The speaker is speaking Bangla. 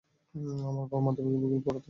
আমার বাবা মাধ্যমিকে ভূগোল পড়াতেন।